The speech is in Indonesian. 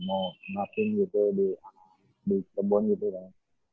mau ngelatih gitu di kabupaten gitu kan